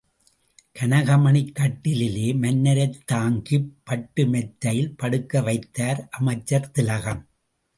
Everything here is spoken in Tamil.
கனகமணிக் கட்டிலிலே மன்னரைத் தாங்கிப் பட்டு மெத்தையில் படுக்க வைத்தார் அமைச்சர் திலகம்.